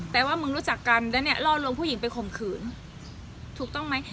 แต่ว่ามึงรู้จักกันแล้วเนี่ยล่อลวงผู้หญิงไปข่มขืนถูกต้องไหม